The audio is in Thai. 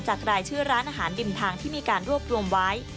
รายชื่อร้านอาหารริมทางที่มีการรวบรวมไว้